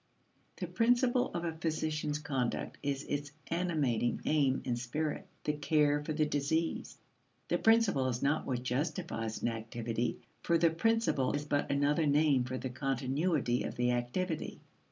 The principle of a physician's conduct is its animating aim and spirit the care for the diseased. The principle is not what justifies an activity, for the principle is but another name for the continuity of the activity.